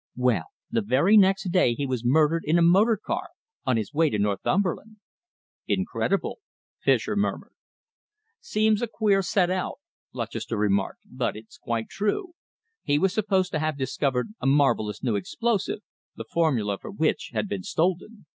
Well, the very next day he was murdered in a motor car on his way to Northumberland." "Incredible!" Fischer murmured. "Seems a queer set out," Lutchester remarked, "but it's quite true. He was supposed to have discovered a marvellous new explosive, the formula for which had been stolen.